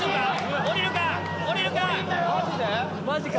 下りるか？